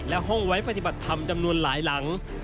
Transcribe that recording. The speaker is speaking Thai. และห้องไว้ปฏิบัติธรรมจำนวนหลายหลัง